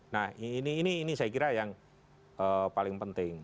nah ini saya kira yang paling penting